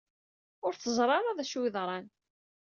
Ur teẓri ara d acu ay yeḍran.